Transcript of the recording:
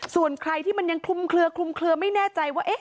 ส่วนใครที่มันยังคลุมเคลือไม่แน่ใจว่า